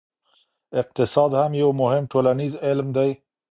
اقتصاد هم یو مهم ټولنیز علم دی.